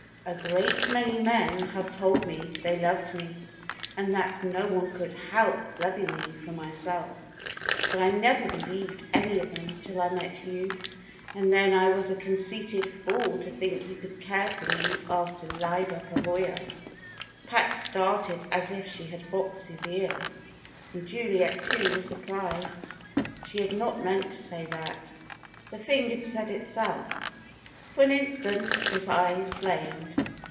"A great many men have told me they loved me, and that no one could help loving me for myself, but I never believed any of them till I met you; and then I was a conceited fool to think you could care for me after Lyda Pavoya." Pat started as if she had boxed his ears: and Juliet, too, was surprised. She had not meant to say that. The thing had said itself. For an instant his eyes flamed.